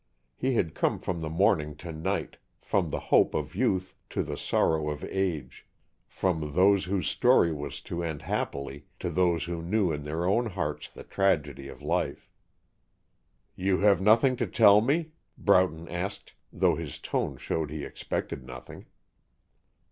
He had come from the morning to night, from the hope of youth to the sorrow of age, from those whose story was to end happily to those who knew in their own hearts the tragedy of life. "You have nothing to tell me?" Broughton asked, though his tone showed he expected nothing.